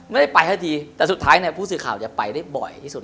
ไม่ได้ไปให้ทีแต่สุดท้ายเนี่ยผู้สื่อข่าวจะไปได้บ่อยที่สุด